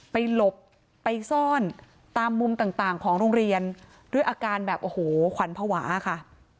หลบไปซ่อนตามมุมต่างของโรงเรียนด้วยอาการแบบโอ้โหขวัญภาวะค่ะ